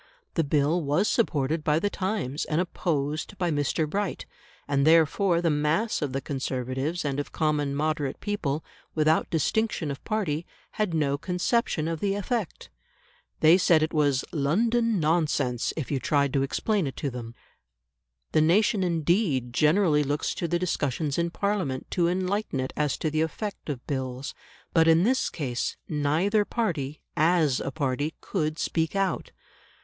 The Bill was supported by the Times and opposed by Mr. Bright; and therefore the mass of the Conservatives and of common moderate people, without distinction of party, had no conception of the effect. They said it was "London nonsense" if you tried to explain it to them. The nation indeed generally looks to the discussions in Parliament to enlighten it as to the effect of Bills. But in this case neither party, as a party, could speak out.